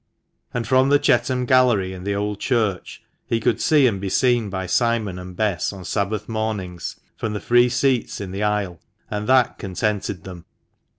And from the Chetham Gallery in the Old Church he could see and be seen by Simon and Bess on Sabbath mornings from the free seats in the aisle, and that contented them.